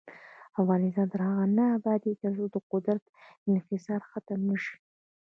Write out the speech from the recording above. افغانستان تر هغو نه ابادیږي، ترڅو د قدرت انحصار ختم نشي.